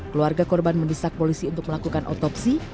keluarga korban mendesak polisi untuk melakukan otopsi